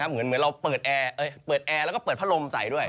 เหมือนเราเปิดแอร์เปิดแอร์แล้วก็เปิดพัดลมใส่ด้วย